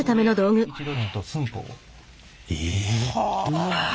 うわ！